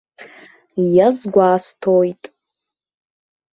Иазгәасҭоит.